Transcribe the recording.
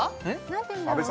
何ていうんだろう